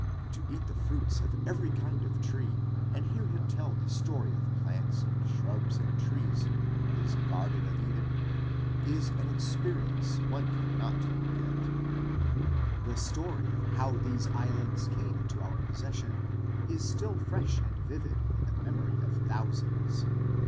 To eat of the fruits of every kind of tree and hear him tell the story of plants and shrubs and trees in his Garden of Eden is an experience one cannot forget. The story of how these islands came into our possession is still fresh and vivid in the memory of thousands.